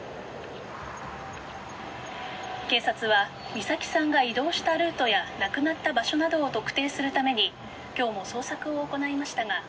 警察は美咲さんが移動したルートや亡くなった場所などを特定するために今日も捜索を行いましたが。